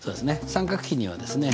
三角比にはですね